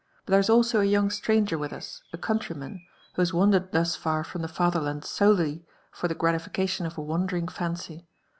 But there is also a young stranger with us, a countryman, who has wandered thus far from the falherlandisolely for the gratification of a wandering fancy.